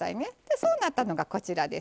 そうなったのが、こちらです。